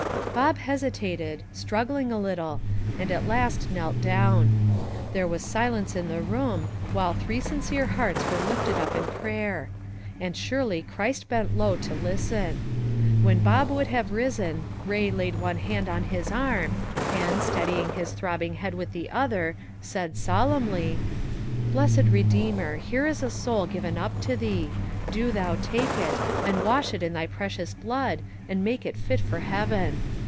Bob hesitated, struggling a little, and at last knelt down. There was silence in the room, while three sincere hearts were lifted up in prayer; and surely Christ bent low to listen. When Bob would have risen, Bay laid one hand on his arm, and, steadying his throbbing head with the other, said solemnly, "Blessed Redeemer, here is a soul given up to Thee. Do Thou take it, and wash it in Thy precious blood, and make it fit for heaven.